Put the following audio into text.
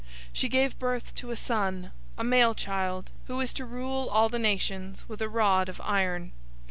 012:005 She gave birth to a son, a male child, who is to rule all the nations with a rod of iron.